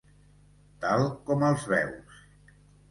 Tal com els veus.